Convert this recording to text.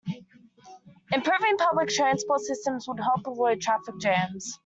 Improving the public transport system would help avoid traffic jams.